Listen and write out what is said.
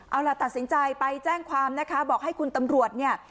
เอาล่ะตัดสินใจไปแจ้งความนะคะบอกให้คุณตำรวจเนี่ย